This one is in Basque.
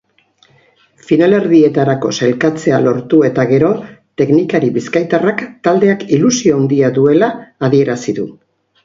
Finalerdietarako sailkatzea lortu eta gero teknikari bizkaitarrak taldeak ilusio handia duela adierazi du.